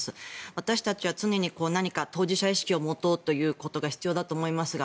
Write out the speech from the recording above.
私たちは常に何か当事者意識を持つことが必要だと思いますが